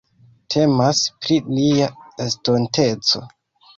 Temas pri nia estonteco.